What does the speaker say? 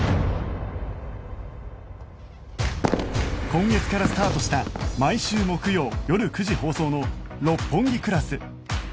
今月からスタートした毎週木曜よる９時放送の『六本木クラス』